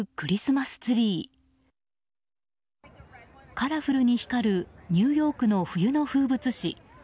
カラフルに光るニューヨークの冬の風物詩。